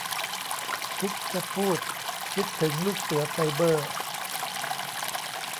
คิดจะพูด คิดถึงลูกเสือไซเบอร์